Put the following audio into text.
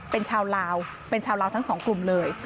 เป็นชาวลาวเป็นชาวลาวทั้งสองกลุ่มเลย